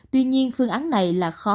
tuy nhiên phương án này là khó